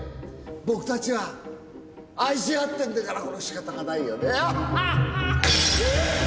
僕たちは愛し合ってるんだからこれ仕方がないよね。